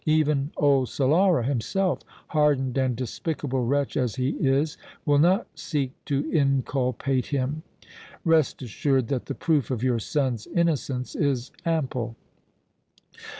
Even old Solara himself, hardened and despicable wretch as he is, will not seek to inculpate him. Rest assured that the proof of your son's innocence is ample."